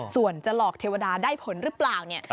ส่วนจะหลอกเทวดาได้ผลหรือเปล่าเนี่ย